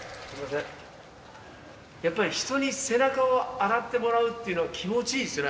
やっぱり人に背中を洗ってもらうっていうのは気持ちいいっすね。